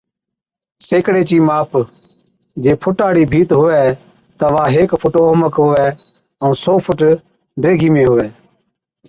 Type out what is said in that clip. سيڪڙي چِي ماپ، جي فُٽا هاڙِي ڀِيت هُوَي تہ وا هيڪ فُٽ اوهمڪ هُوَي ائُون سئو فُٽ ڊيگھِي ۾ هُوَي